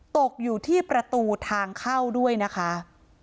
ตกอยู่ที่ประตูทางเข้าด้วยนะคะ